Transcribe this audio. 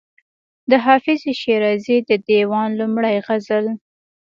د حافظ شیرازي د دېوان لومړی غزل.